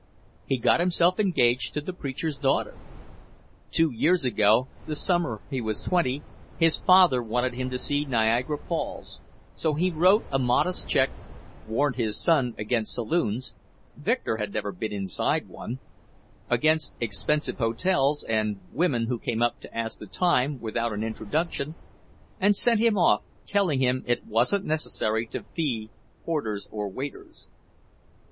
He got himself engaged to the preacher's daughter. Two years ago, the summer he was twenty, his father wanted him to see Niagara Falls; so he wrote a modest check, warned his son against saloons Victor had never been inside one against expensive hotels and women who came up to ask the time without an introduction, and sent him off, telling him it wasn't necessary to fee porters or waiters.